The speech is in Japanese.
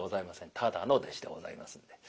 ただの弟子でございますんで。